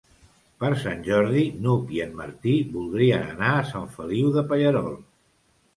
Per Sant Jordi n'Hug i en Martí voldrien anar a Sant Feliu de Pallerols.